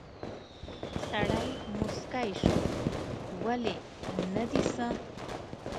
سړی موسکی شو: ولې، نه دي څه؟